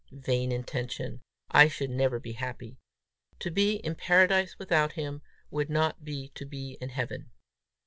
Vain intention! I should never be happy! To be in Paradise without him, would not be to be in Heaven!